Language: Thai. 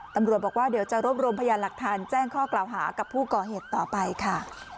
ตำรวจบอกว่าเดี๋ยวจะรวบรวมพยานหลักฐานแจ้งข้อกล่าวหากับผู้ก่อเหตุต่อไปค่ะ